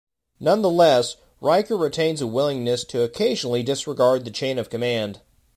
Nonetheless, Riker retains a willingness to occasionally disregard the chain of command.